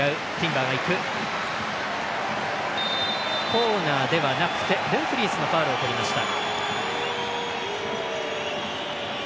コーナーではなくてドゥンフリースのファウルをとりました。